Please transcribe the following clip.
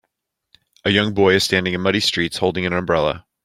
A young boy is standing in muddy streets holding an umbrella.